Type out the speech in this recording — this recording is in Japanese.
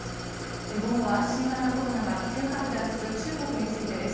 午後は新型コロナが急拡大する中国についてです。